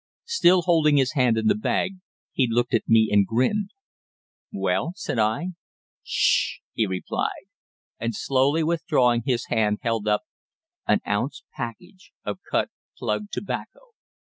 Still holding his hand in the bag, he looked at me and grinned. "Well?" said I. "Sh h h," he replied, and slowly withdrawing his hand held up an ounce package of cut plug tobacco!